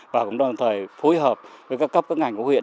và cũng đồng thời phối hợp với các cấp các ngành của huyện